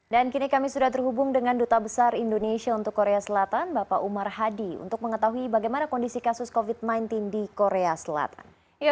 dan kini kami sudah terhubung dengan duta besar indonesia untuk korea selatan bapak umar hadi untuk mengetahui bagaimana kondisi kasus covid sembilan belas di korea selatan